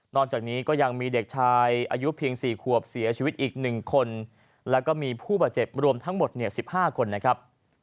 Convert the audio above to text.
จากนี้ก็ยังมีเด็กชายอายุเพียง๔ขวบเสียชีวิตอีก๑คนแล้วก็มีผู้บาดเจ็บรวมทั้งหมด๑๕คนนะครับ